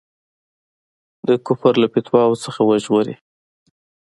د کفر له فتواوو څخه وژغوري.